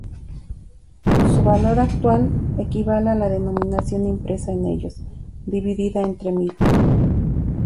Su valor actual equivale a la denominación impresa en ellos, dividida entre mil.